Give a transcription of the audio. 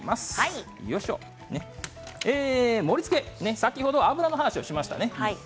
盛りつけ先ほど油の話をしましたね。